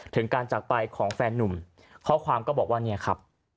ถึงการจากไปของแฟนนุ่มข้อความก็บอกว่าเนี่ยครับ